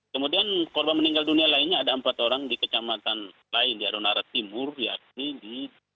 kemudian korban meninggal dunia lainnya ada empat orang di kecamatan lain di arunara timur yakni di